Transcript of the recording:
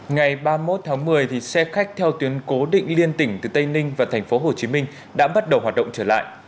ngày ba mươi một tháng một mươi xe khách theo tuyến cố định liên tỉnh từ tây ninh và thành phố hồ chí minh đã bắt đầu hoạt động trở lại